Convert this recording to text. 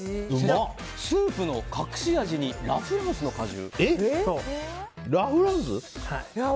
スープの隠し味にラ・フランスの果汁。